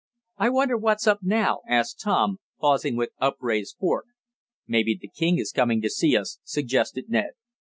"I wonder what's up now?" asked Tom, pausing with upraised fork. "Maybe the king is coming to see us," suggested Ned.